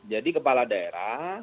jadi kepala daerah